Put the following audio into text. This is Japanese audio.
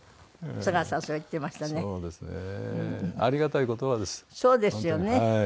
そうですよね。